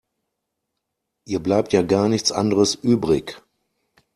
Ihr bleibt ja gar nichts anderes übrig.